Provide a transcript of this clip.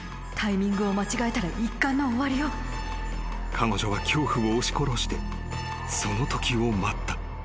［彼女は恐怖を押し殺してそのときを待った］